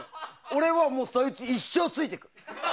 俺はそいつに一生ついていく。